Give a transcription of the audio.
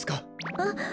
あっ！